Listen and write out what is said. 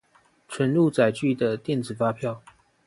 存入載具的電子發票